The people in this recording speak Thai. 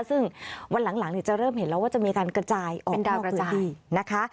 ซึ่งวันหลังเนี่ยจะเริ่มเห็นแล้วว่าจะมีการกระจายออกข้อพื้นที่นะคะ